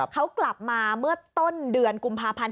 เขากลับมาเมื่อต้นเดือนกุมภาพันธ์